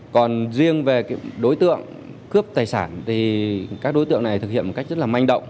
còn riêng về đối tượng cướp tài sản thì các đối tượng này thực hiện một cách rất là manh động